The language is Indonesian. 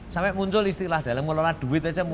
sampai muncul istilah dalam mengelola duit aja